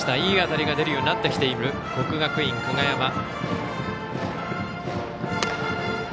いい当たりが出るようになってきている国学院久我山。